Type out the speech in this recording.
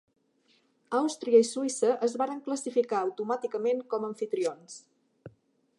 Àustria i Suïssa es varen classificar automàticament com amfitrions.